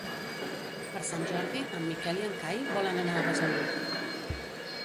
Per Sant Jordi en Miquel i en Cai volen anar a Besalú.